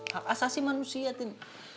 hak asasi manusia tin